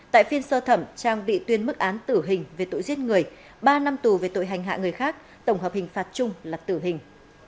tại phiên sơ thẩm trang bị tuyên mức án tử hình về tội giết người ba năm tù về tội hành hạ người khác tổng hợp hình phạt chung là tử hình